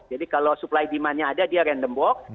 jadi kalau supply demandnya ada dia random walk